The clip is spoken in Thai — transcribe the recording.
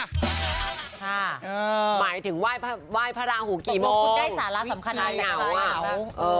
ค่ะหมายถึงไหว้พระราหูกี่โมงคลายเหนาอ่ะเออ